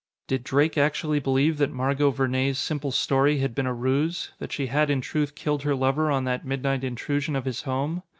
Did Drake actually believe that Margot Vernee's simple story had been a ruse that she had in truth killed her lover on that midnight intrusion of his home?